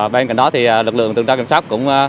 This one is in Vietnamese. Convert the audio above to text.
bên cạnh đó thì lực lượng tuần tra kiểm soát cũng